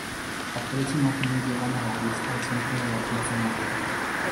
Las tres imágenes llegan a la vez al centro de la Plaza Mayor.